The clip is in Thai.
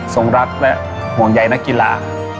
รักและห่วงใยนักกีฬา